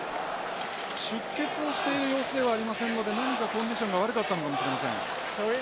出血をしている様子ではありませんので何かコンディションが悪かったのかもしれません。